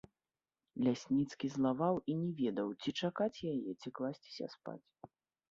Лясніцкі злаваў і не ведаў, ці чакаць яе, ці класціся спаць.